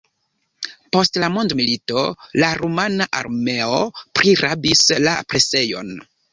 Post la mondomilito la rumana armeo prirabis la presejon.